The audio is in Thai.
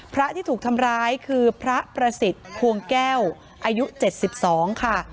พระที่ถูกทำร้ายคือพระประสิทธิ์พวงแก้วอายุ๗๒ค่ะ